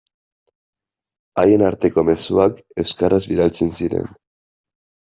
Haien arteko mezuak euskaraz bidaltzen ziren.